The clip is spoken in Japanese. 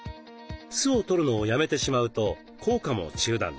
酢をとるのをやめてしまうと効果も中断。